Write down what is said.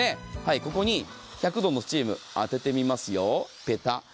ここに１００度のスチームを当ててみます。